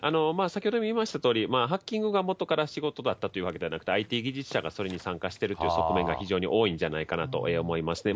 先ほども言いましたとおり、ハッキングがもとから仕事だったというわけではなくて、ＩＴ技術者がそれに参加しているという側面が、非常に多いんじゃないかなと思いますね。